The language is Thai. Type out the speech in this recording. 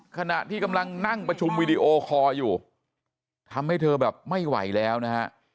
ขณะที่กำลังนั่งประชุมวีดีโอคอร์อยู่ทำให้เธอแบบไม่ไหวแล้วนะฮะ